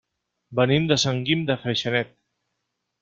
Venim de Sant Guim de Freixenet.